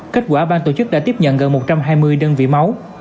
kết quả ban tổ chức đã tiếp nhận gần một trăm hai mươi đơn vị máu